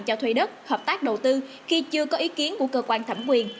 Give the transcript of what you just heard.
cho thuê đất hợp tác đầu tư khi chưa có ý kiến của cơ quan thẩm quyền